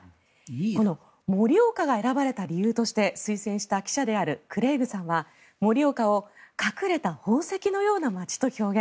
この盛岡が選ばれた理由として推薦した記者であるクレイグさんは盛岡を隠れた宝石のような街と表現。